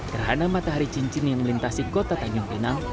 gerhana matahari cincin yang melintasi kota tanjung pinang